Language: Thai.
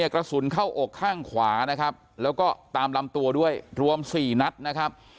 กระสุนเข้าอกข้างขวานะครับแล้วก็ตามลำตัวด้วยรวม๔นัดนะครับ